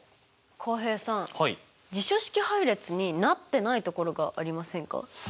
浩平さん辞書式配列になってないところがありませんか？